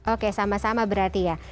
oke sama sama berarti ya